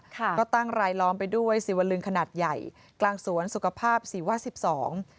ค่ะก็ตั้งรายล้อมไปด้วยสิวลึงขนาดใหญ่กลางสวนสุขภาพศรีวะสิบสอง